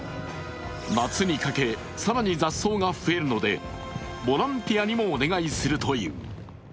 夏にかけ、更に雑草が増えるのでボランティアにもお願いするという。